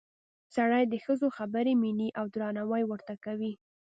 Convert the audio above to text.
سړي د ښځو خبرې مني او درناوی ورته کوي